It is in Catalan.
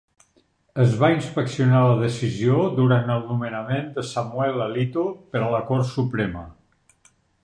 Es va inspeccionar la decisió durant el nomenament de Samuel Alito per a la Cort Suprema.